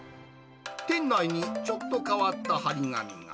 店内にちょっと変わった貼り紙が。